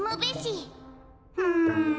うん。